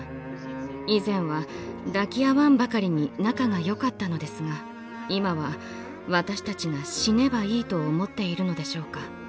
以前は抱き合わんばかりに仲がよかったのですが今は私たちが死ねばいいと思っているのでしょうか。